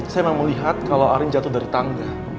saya memang mau lihat kalau arin jatuh dari tangga